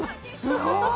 すごい！